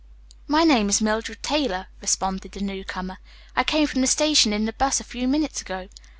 "My name is Mildred Taylor," responded the newcomer. "I came from the station in the bus a few minutes ago.